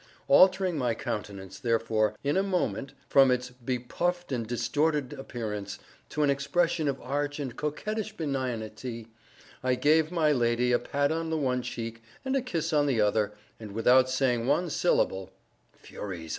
Altering my countenance, therefore, in a moment, from its bepuffed and distorted appearance, to an expression of arch and coquettish benignity, I gave my lady a pat on the one cheek, and a kiss on the other, and without saying one syllable (Furies!